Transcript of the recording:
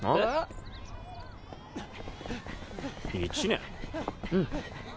１年！